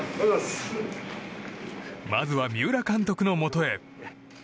まずは三浦監督のもとへ。